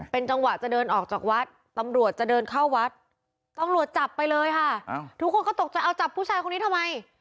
จังหวะจะเดินออกจากวัดตำรวจจะเดินเข้าวัดตำรวจจับไปเลยค่ะทุกคนก็ตกใจเอาจับผู้ชายคนนี้ทำไม